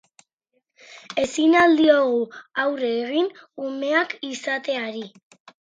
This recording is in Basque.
Ezin al diogu aurre egin umeak izateari?